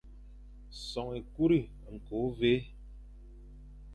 Son ékuri, ñko, ôvè,